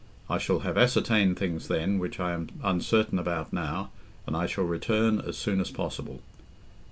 I shall have ascertained things then which I am uncertain about now, and I shall return as soon as possible.